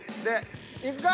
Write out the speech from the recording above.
いくか？